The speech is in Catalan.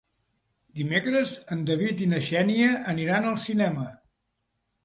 Dimecres en David i na Xènia aniran al cinema.